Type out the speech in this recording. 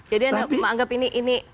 jadi anda menganggap ini